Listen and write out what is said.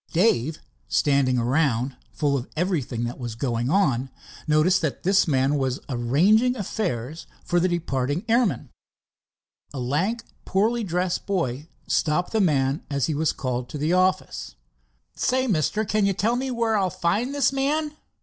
Dave, standing around full of everything that was going on, noticed that this man was arranging affairs for departing airmen. A lank poorly dressed boy stopped the man as he was called to the office. "Say, Mister, can you tell me where I'll find this man?"